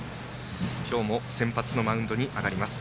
今日も先発のマウンドに上がります。